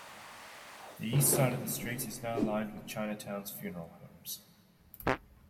The east side of the street is now lined with Chinatown's funeral homes.